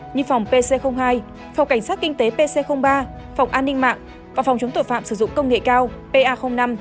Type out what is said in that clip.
như phòng pc hai phòng cảnh sát kinh tế pc ba phòng an ninh mạng và phòng chống tội phạm sử dụng công nghệ cao pa năm